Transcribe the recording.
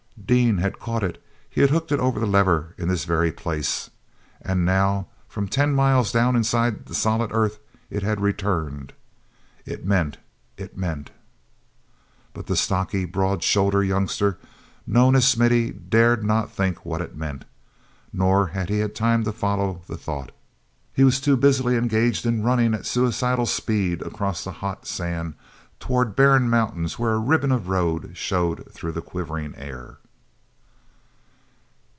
Dean had caught it; he had hooked it over a lever in this very place—and now, from ten miles down inside the solid earth, it had returned. It meant—it meant.... But the stocky, broad shouldered youngster known as Smithy dared not think what it meant. Nor had he time to follow the thought; he was too busily engaged in running at suicidal speed across the hot sand toward barren mountains where a ribbon of road showed through quivering air.